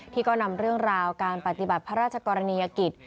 ที่ก็นำเรื่องราวการปฏิบัติพระราชกรณียกิจ